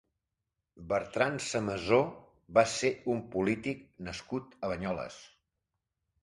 Bertran Samasó va ser un polític nascut a Banyoles.